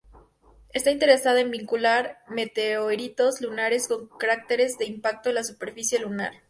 Está interesada en vincular meteoritos lunares con cráteres de impacto en la superficie lunar.